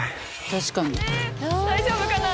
「確かに」